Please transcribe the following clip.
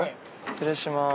失礼します。